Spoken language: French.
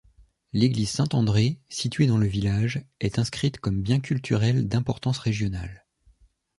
L'église Saint-André, située dans le village, est inscrite comme bien culturel d'importance régionale.